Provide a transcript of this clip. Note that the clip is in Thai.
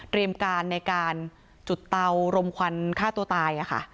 เตรียมการในการจุดเตารมควันฆ่าตัวตายค่ะ